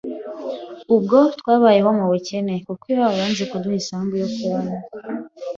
Ubwo twabayeho mu bukene, kuko iwabo banze kuduha isambu yo kubamo